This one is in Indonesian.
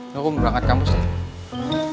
loh aku mau berangkat kampus nih